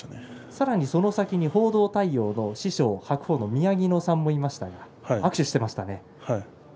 さらに、その先に報道対応の師匠の白鵬の宮城野さんもいましたが握手をしていましたね。